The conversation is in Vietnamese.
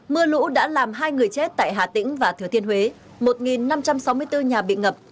mưa lũ đã làm hai người chết tại hà tĩnh và thừa thiên huế một năm trăm sáu mươi bốn nhà bị ngập